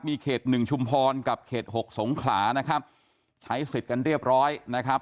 มีเขตหนึ่งชุมพรกับเขตหกสงขลานะครับใช้สิทธิ์กันเรียบร้อยนะครับ